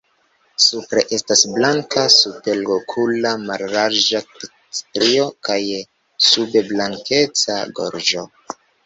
Supre estas blanka superokula mallarĝa strio kaj sube blankeca gorĝo.